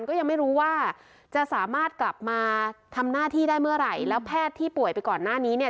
ก็ยังไม่รู้ว่าจะสามารถกลับมาทำหน้าที่ได้เมื่อไหร่แล้วแพทย์ที่ป่วยไปก่อนหน้านี้เนี่ย